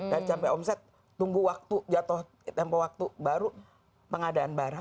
dari campai omset tunggu waktu jatuh tempo waktu baru pengadaan barang